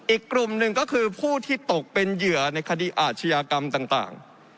อีกกลุ่มหนึ่งก็คือผู้ที่ตกเป็นเหยื่อในคดีอาชญากรรมต่าง